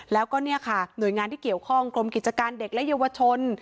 แล้วก็เนี่ยค่ะหน่วยงานที่เกี่ยวข้องกรมกิจการเด็กและเยาวชน